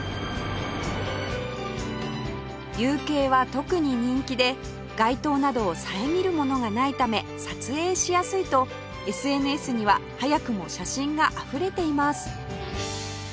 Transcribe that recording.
夕景は特に人気で街灯など遮るものがないため撮影しやすいと ＳＮＳ には早くも写真があふれています